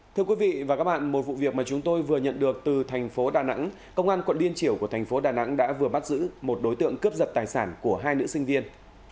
thưa quý vị và các bạn một vụ việc mà chúng tôi vừa nhận được từ thành phố đà nẵng công an quận liên triểu của thành phố đà nẵng đã vừa bắt giữ một đối tượng cướp giật tài sản của hai nữ sinh viên